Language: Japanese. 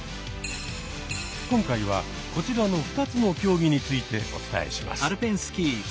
今回はこちらの２つの競技についてお伝えします。